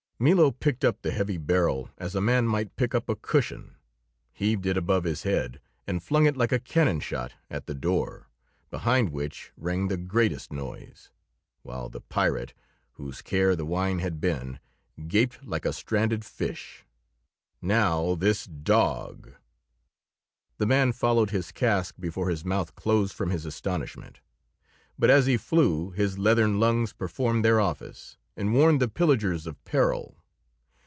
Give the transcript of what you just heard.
Milo picked up the heavy barrel as a man might pick up a cushion, heaved it above his head, and flung it like a cannon shot at the door, behind which rang the greatest noise, while the pirate, whose care the wine had been, gaped like a stranded fish. "Now this dog!" The man followed his cask before his mouth closed from his astonishment; but as he flew his leathern lungs performed their office and warned the pillagers of peril.